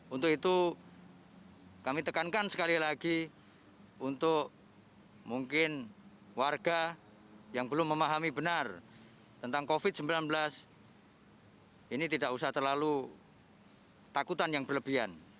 untuk itu kami tekankan sekali lagi untuk mungkin warga yang belum memahami benar tentang covid sembilan belas ini tidak usah terlalu takutan yang berlebihan